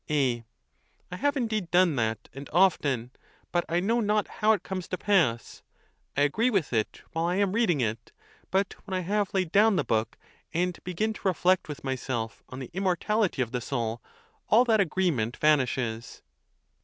A. I have, indeed, done that, and often; but, I know not how it comes to pass, I agree with it while I am read ing it; but when I have laid down the book, and begin to reflect with myself on the immortality of the soul, all that agreement vanishes.